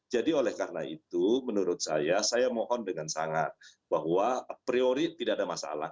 jadi oleh karena itu menurut saya saya mohon dengan sangat bahwa priori tidak ada masalah